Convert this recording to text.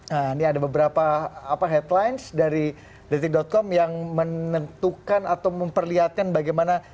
nah ini ada beberapa headlines dari detik com yang menentukan atau memperlihatkan bagaimana